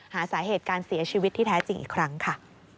หาสาเหตุการเสียชีวิตที่แท้จริงอีกครั้งค่ะ